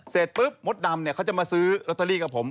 เสร็จปุ๊บมดดำจะมาซื้อโรตเตอรี่กับผม